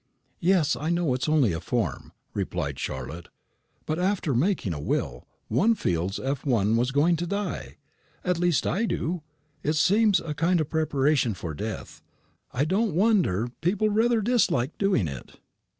"Yes, I know that it is only a form," replied Charlotte; "but, after making a will, one feels as if one was going to die. At least I do. It seems a kind of preparation for death. I don't wonder people rather dislike doing it.